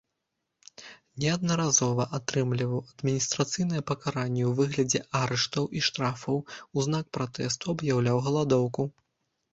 Неаднаразова атрымліваў адміністрацыйныя пакаранні ў выглядзе арыштаў і штрафаў, у знак пратэсту аб'яўляў галадоўку.